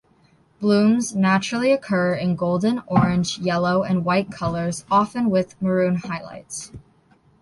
Blooms naturally occur in golden, orange, yellow, and white colors, often with maroon highlights.